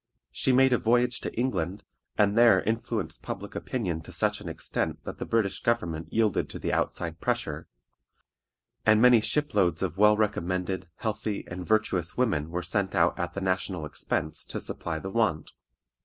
She made a voyage to England, and there influenced public opinion to such an extent that the British government yielded to the outside pressure, and many ship loads of well recommended, healthy, and virtuous women were sent out at the national expense to supply the want.